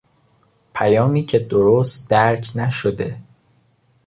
پیامی که درست درک نشده